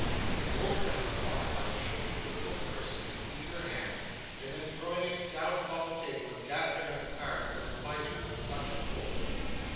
The old man replied by shaking the little purse in his eager hand, and then throwing it down upon the table, and gathering up the cards as a miser would clutch at gold.